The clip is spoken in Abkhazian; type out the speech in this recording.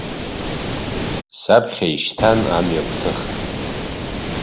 Саԥхьа ишьҭан амҩа гәҭыха!